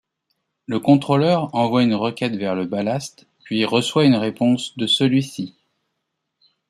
Le contrôleur envoie une requête vers le ballast, puis reçoit une réponse de celui-ci.